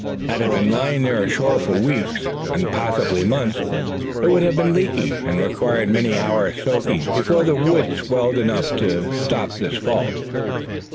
Had it been lying there ashore for weeks, and possibly months, it would have been leaky; and required many hours' soaking before the wood swelled enough to stop this fault.